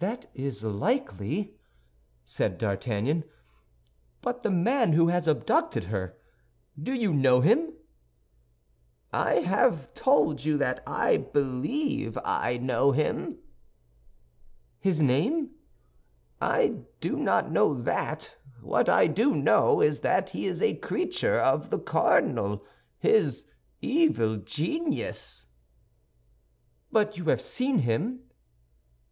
"That is likely," said D'Artagnan; "but the man who has abducted her—do you know him?" "I have told you that I believe I know him." "His name?" "I do not know that; what I do know is that he is a creature of the cardinal, his evil genius." "But you have seen him?"